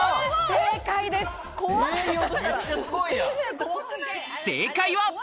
正解は。